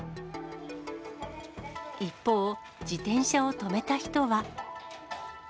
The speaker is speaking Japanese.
一方、自転車を止めた人は。